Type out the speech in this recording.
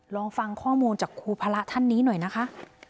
ลองฟังข้อมูลจากครูพระท่านนี้หน่อยนะคะ